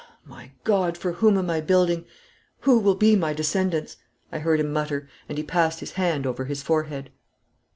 'My God! for whom am I building? Who will be my descendants?' I heard him mutter, and he passed his hand over his forehead.